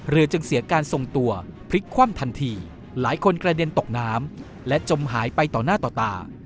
เรือจึงเสียการทรงตัวพลิกคว่ำทันทีหลายคนกระเด็นตกน้ำและจมหายไปต่อหน้าต่อตา